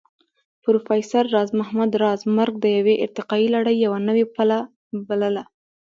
پروفېسر راز محمد راز مرګ د يوې ارتقائي لړۍ يوه نوې پله بلله